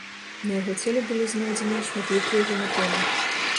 На яго целе былі знойдзеныя шматлікія гематомы.